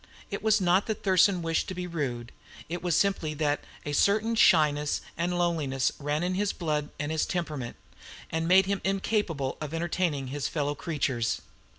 It was not that Thurston wished to be rude; it was simply that a certain shyness and loneliness ran in his blood and his temperament, and made him incapable of entertaining his fellow creatures.